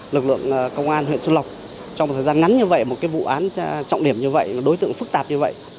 lực lượng công an huyện xuân lộc trong một thời gian ngắn như vậy một vụ án trọng điểm như vậy đối tượng phức tạp như vậy